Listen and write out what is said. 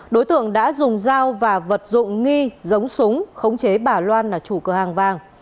đối tượng đã dùng dao và vật dụng nghi giống súng khống chế bà loan là chủ cửa hàng vàng